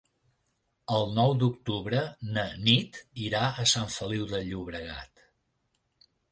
El nou d'octubre na Nit irà a Sant Feliu de Llobregat.